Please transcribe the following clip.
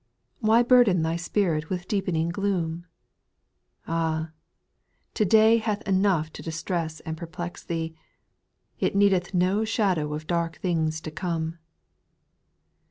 Why burden thy spirit with deepening gloom ? Ah 1 to day hath enough to distress and per plex thee. It needeth no shadow of dark things to come.